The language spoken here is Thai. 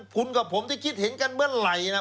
คุณกับผมที่คิดเห็นกันเมื่อไหร่นะ